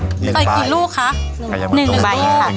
ตายกี่ลูกครับ